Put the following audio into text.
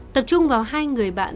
tập trung vào hai người bạn